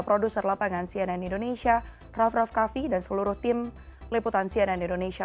produser lapangan cnn indonesia raff raff kaffi dan seluruh tim liputan cnn indonesia